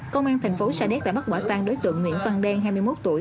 công an tp sa đéc đã bắt quả tăng đối tượng nguyễn văn đen hai mươi một tuổi